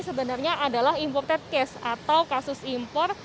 sebenarnya adalah imported case atau kasus impor